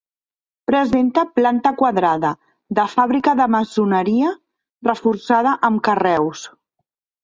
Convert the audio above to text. Presenta planta quadrada, de fàbrica de maçoneria, reforçada amb carreus.